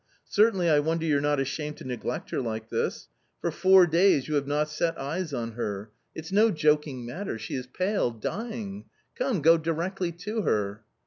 Certainly I wonder you're not ashamed to neglect her like this ? for four days you have not set eyes on her .... it's no A COMMON STORY 193 joking matter. She is pale, dying ! Come, go directly to her."